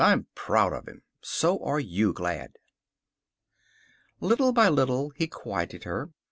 I'm proud of him. So are you glad." Little by little he quieted her.